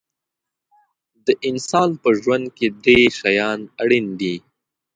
د انسان په ژوند کې درې شیان اړین دي.